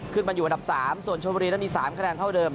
ขึ้นมาอยู่อันดับ๓ส่วนชมบุรีนั้นมี๓คะแนนเท่าเดิม